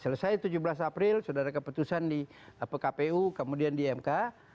selesai tujuh belas april sudah ada keputusan di pkpu kemudian di mk